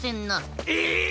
えっ！